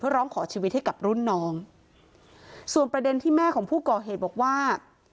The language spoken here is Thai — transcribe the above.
ร้องขอชีวิตให้กับรุ่นน้องส่วนประเด็นที่แม่ของผู้ก่อเหตุบอกว่า